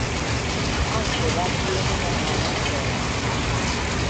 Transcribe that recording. Angela tiene un hermano mayor.